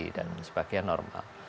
dan sebagian normal